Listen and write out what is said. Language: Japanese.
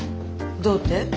どうって？